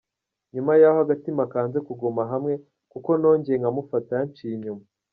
Nyuma yaho agatima kanze kuguma hamwe kuko nongeye nkamufata yanciye inyuma.